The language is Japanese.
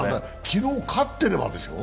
昨日勝ってればですよ。